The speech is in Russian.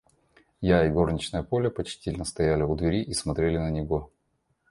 Я и горничная Поля почтительно стояли у двери и смотрели на него.